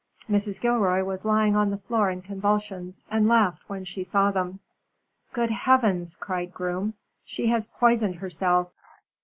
Mrs. Gilroy was lying on the floor in convulsions, and laughed when she saw them. "Good Heavens!" cried Groom. "She has poisoned herself!"